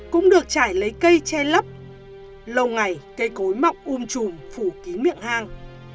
cũng được trải lấy cây che lấp lâu ngày cây cối mọc um trùm phủ kín miệng hang